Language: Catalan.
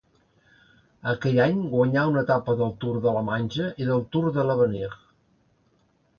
Aquell any guanyà una etapa del Tour de la Manche i del Tour de l'Avenir.